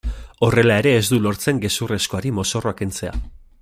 Horrela ere ez du lortzen gezurrezkoari mozorroa kentzea.